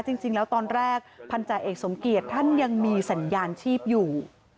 จริงแล้วตอนแรกพันธาเอกสมเกียจท่านยังมีสัญญาณชีพอยู่